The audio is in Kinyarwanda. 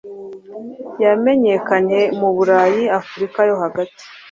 Yamenyekanye mu Burayi, Afurika yo hagati,